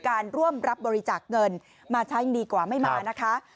การร่วมรับบริจาคเงินมาใช้ดีกว่าไม่มานะคะ